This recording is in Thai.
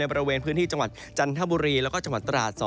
บริเวณพื้นที่จังหวัดจันทบุรีแล้วก็จังหวัดตราด๒